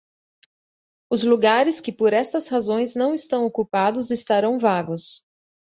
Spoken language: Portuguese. Os lugares que por estas razões não estão ocupados estarão vagos.